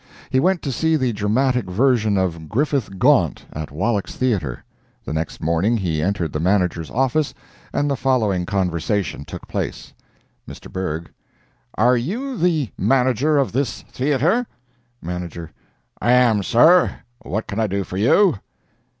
He went to see the dramatic version of "Griffith Gaunt" at Wallack's Theatre. The next morning he entered the manager's office and the following conversation took place: Mr. Bergh—"Are you the manager of this theatre?" Manager—"I am, sir. What can I do for you?"